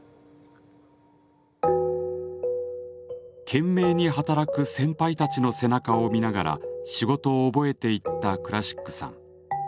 懸命に働く先輩たちの背中を見ながら仕事を覚えていったクラシックさん。